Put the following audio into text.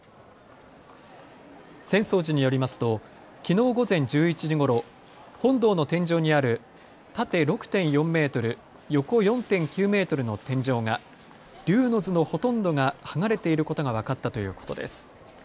浅草寺によりますときのう午前１１時ごろ、本堂の天井にある縦６．４メートル、横４．９メートルの天井画、龍之図のほとんどが剥がれていることが分かったということです。